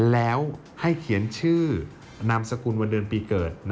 แล้วให้เขียนชื่อนามสกุลวันเดือนปีเกิด